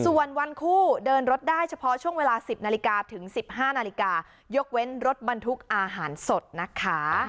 ส่วนวันคู่เดินรถได้เฉพาะช่วงเวลา๑๐นาฬิกาถึง๑๕นาฬิกายกเว้นรถบรรทุกอาหารสดนะคะ